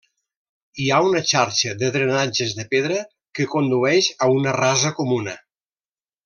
Hi ha una xarxa de drenatges de pedra que condueix a una rasa comuna.